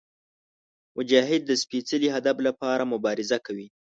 مجاهد د سپېڅلي هدف لپاره مبارزه کوي.